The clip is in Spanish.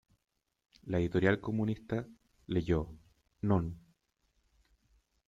La editorial comunista leyó: "Non!